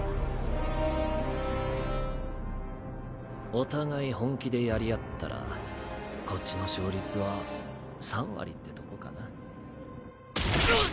お互い本気で殺り合ったらこっちの勝率は３割ってとこかなうっ！